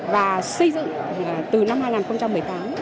và xây dựng từ năm hai nghìn một mươi tám